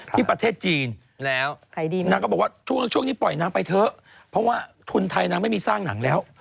ประเทศจีนแล้วนางก็บอกว่าช่วงนี้ปล่อยนางไปเถอะเพราะว่าทุนไทยนางไม่มีสร้างหนังแล้ว